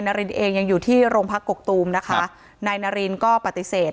นารินเองยังอยู่ที่โรงพักกกตูมนะคะนายนารินก็ปฏิเสธ